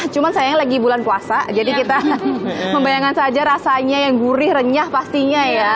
cuma sayang lagi bulan puasa jadi kita membayangkan saja rasanya yang gurih renyah pastinya ya